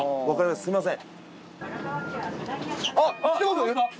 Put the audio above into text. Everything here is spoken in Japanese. すみません。